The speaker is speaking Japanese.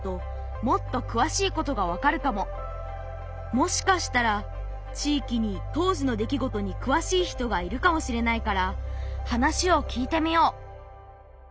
もしかしたら地域に当時の出来事にくわしい人がいるかもしれないから話を聞いてみよう。